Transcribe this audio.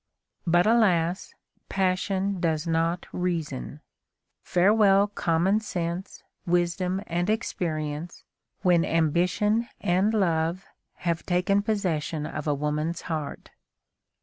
But, alas! passion does not reason. Farewell common sense, wisdom, and experience, when ambition and love have taken possession of a woman's heart.